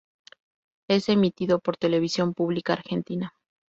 Es emitido por Televisión Pública Argentina.